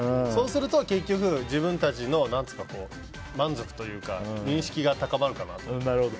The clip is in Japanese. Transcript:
そうすると結局自分たちの満足というか認識が高まるかなと。